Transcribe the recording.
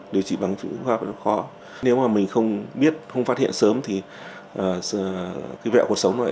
điều trị bằng vũ hoa rất khó nếu mà mình không biết không phát hiện sớm thì vẹo cuộc sống nó